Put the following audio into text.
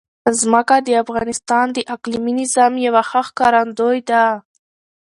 ځمکه د افغانستان د اقلیمي نظام یوه ښه ښکارندوی ده.